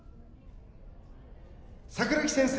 桜木先生